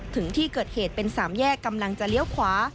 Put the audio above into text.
ถึงที่เกิดเหตุเป็นสามแยกกำลังจะเลี้ยวขวา